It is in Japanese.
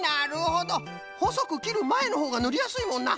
ほそくきるまえのほうがぬりやすいもんな。